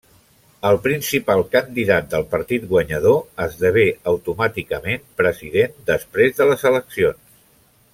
El principal candidat del partit guanyador esdevé automàticament president després de les eleccions.